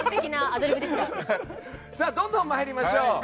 どんどん参りましょう。